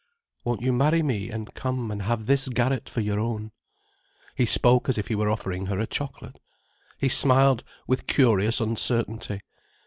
"Won't you marry me, and come and have this garret for your own?" He spoke as if he were offering her a chocolate. He smiled with curious uncertainty.